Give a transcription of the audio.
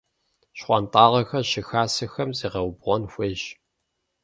ЩхъуантӀагъэр щыхасэхэм зегъэубгъун хуейщ.